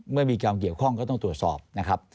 เมื่อมีความเกี่ยวข้องก็ต้องตรวจสอบนะครับ